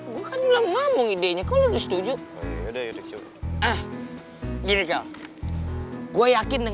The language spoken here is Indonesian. bokapnya makin gak setuju lagi kan